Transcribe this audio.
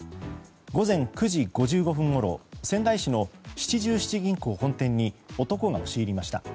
午前９時５５分ごろ仙台市の七十七銀行本店に男が押し入りました。